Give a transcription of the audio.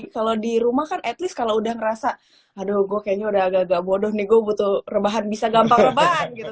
kalau di rumah kan at least kalau udah ngerasa aduh gue kayaknya udah agak agak bodoh nih gue butuh rebahan bisa gampang rebahan gitu